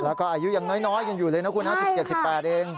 แล้วก็อายุอย่างน้อยยังอยู่เลยนะคุณอาวุธ๑๗๑๘เอง